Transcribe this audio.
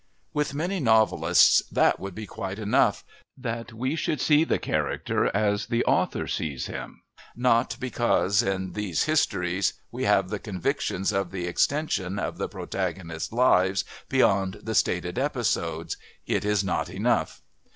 With many novelists that would be quite enough, that we should see the character as the author sees him, but because, in these histories, we have the convictions of the extension of the protagonists' lives beyond the stated episodes, it is not enough.